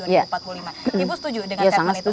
ibu setuju dengan tema itu